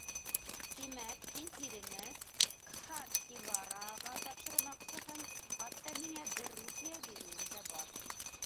— Тимәк, һин тирене Кһанһиварааға тапшырмаҡсыһың, хатта миңә бер рупия биреүең дә бар.